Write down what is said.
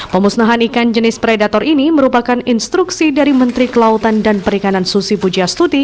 pemusnahan ikan jenis predator ini merupakan instruksi dari menteri kelautan dan perikanan susi pujastuti